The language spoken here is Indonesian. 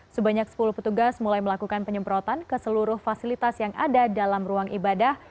sebanyak sepuluh petugas mulai melakukan penyemprotan ke seluruh fasilitas yang ada dalam ruang ibadah